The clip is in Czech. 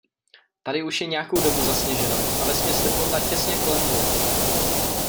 Tady je už nějakou dobu zasněženo a vesměs teplota těsně kolem nuly.